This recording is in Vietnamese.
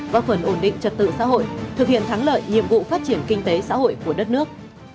góp phần ổn định trật tự xã hội thực hiện thắng lợi nhiệm vụ phát triển kinh tế xã hội của đất nước